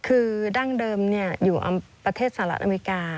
คือดั้งเดิมอยู่ประเทศสหรัฐอเมริกา